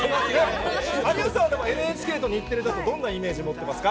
有吉さんはでも、ＮＨＫと日テレだとどんなイメージ持ってますか？